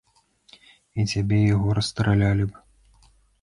І цябе і яго расстралялі б!